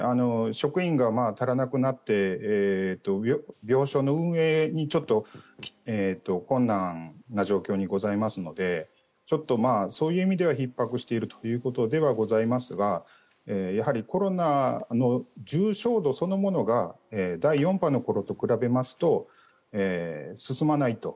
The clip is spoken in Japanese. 職員が足らなくなって病床の運営がちょっと困難な状況にございますのでちょっとそういう意味ではひっ迫しているということではございますがやはりコロナの重症度そのものが第４波の頃と比べますと進まないと。